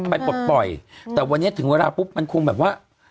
ปลดปล่อยแต่วันนี้ถึงเวลาปุ๊บมันคงแบบว่า